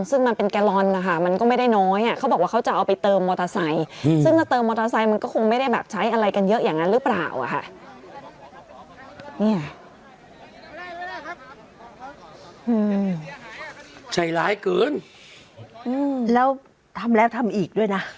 อืมใจร้ายเกินอืมแล้วทำแล้วทำอีกด้วยน่ะ